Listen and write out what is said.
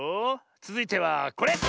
つづいてはこれ！